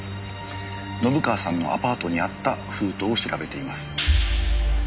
信川さんのアパートにあった封筒を調べています。